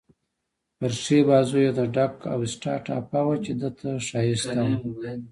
پر ښي بازو يې د ډک اوسټا ټاپه وه، چې ده ته ښایسته وه.